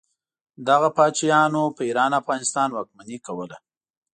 دغه پاچاهانو په ایران او افغانستان واکمني کوله.